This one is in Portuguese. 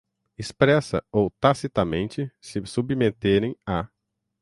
expressa ou tacitamente, se submeterem à